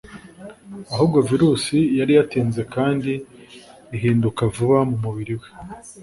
Ahubwo virusi yari yatinze kandi ihinduka vuba mu mubiri we.